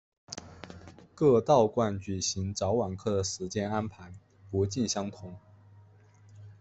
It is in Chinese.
各道观举行早晚课的时间安排不尽相同。